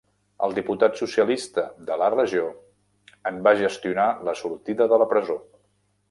El diputat socialista de la regió en va gestionar la sortida de la presó.